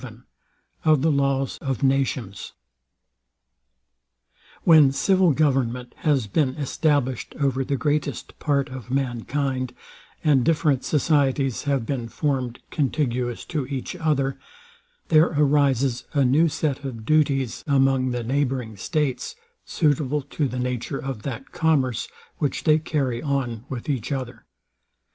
XI OF THE LAWS OF NATIONS When civil government has been established over the greatest part of mankind, and different societies have been formed contiguous to each other, there arises a new set of duties among the neighbouring states, suitable to the nature of that commerce, which they carry on with each other.